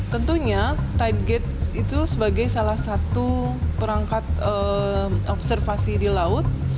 tentunya tide gate itu sebagai salah satu perangkat observasi di laut